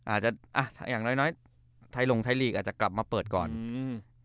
อาจจะอ่ะอย่างน้อยน้อยไทยลงไทยลีกอาจจะกลับมาเปิดก่อนอืม